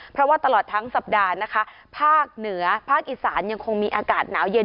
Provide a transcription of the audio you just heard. เพราะว่าตลอดทั้งสัปดาห์นะคะภาคเหนือภาคอีสานยังคงมีอากาศหนาวเย็น